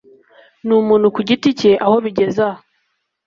Ni umuntu ku giti cye aho bigeze aha